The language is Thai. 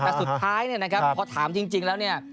แต่สุดท้ายนะครับเพราะถามจริงแล้วเนี่ย